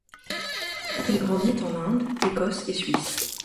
Il grandit en Inde, Écosse et Suisse.